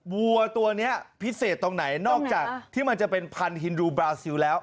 วัวตัวนี้พิเศษตรงไหนนอกจากที่มันจะเป็นพันธินรูบราซิลแล้ว